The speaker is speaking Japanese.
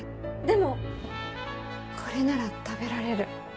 でもこれなら食べられる。